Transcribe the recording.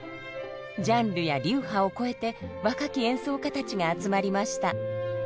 ジャンルや流派を超えて若き演奏者たちが集まりました。